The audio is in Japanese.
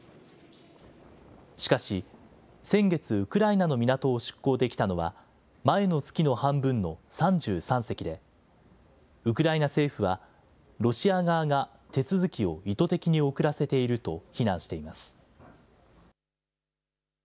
しかし、先月、ウクライナの港を出港できたのは、前の月の半分の３３隻で、ウクライナ政府は、ロシア側が手続きを意図的に遅らせていると非難しています。